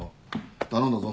頼んだぞ。